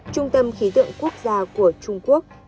trung tâm khí tượng quốc gia của trung quốc